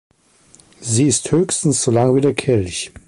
Sie ist höchstens so lang wie der Kelch.